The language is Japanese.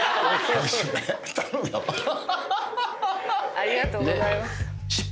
ありがとうございます。